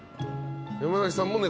山崎さんも猫？